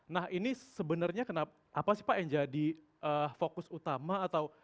nah ini sebenarnya kenapa sih pak yang jadi fokus utama atau